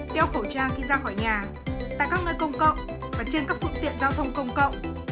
đeo khẩu trang khi ra khỏi nhà tại các nơi công cộng và trên các phương tiện giao thông công cộng